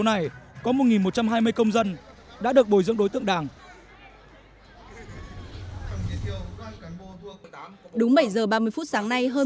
này có một một trăm hai mươi công dân đã được bồi dưỡng đối tượng đảng đúng bảy giờ ba mươi phút sáng nay hơn